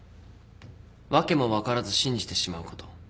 訳も分からず信じてしまうこと。